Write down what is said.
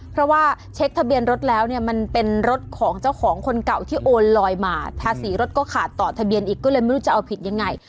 เพราะว่าเช็คทะเบียนรถแล้วเนี่ยมันเป็นรถของเจ้าของคนเก่าที่โอนลอยมาภาษีรถก็ขาดต่อทะเบียนอีกก็เลยไม่รู้จะเอาผิดยังไง